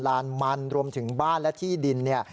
ลานมันรวมถึงบ้านและที่ดินเนี่ย